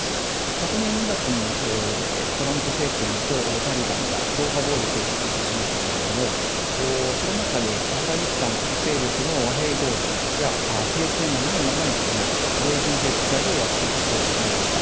昨年２月にトランプ政権とタリバンがドーハ合意を締結いたしましたけれども、その中で、アフガニスタン諸勢力の和平合意や停戦がないままに、米軍撤退を約束してしまいました。